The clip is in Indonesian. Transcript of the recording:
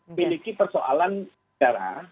memiliki persoalan secara